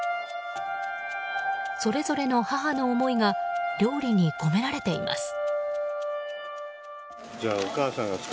それぞれの母の思いが料理に込められています。